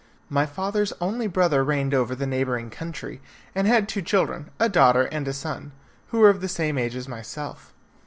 My father's only brother reigned over the neighbouring country, and had two children, a daughter and a son, who were of the same age as myself.